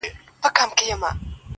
د نوم له سيـتاره دى لـوېـدلى.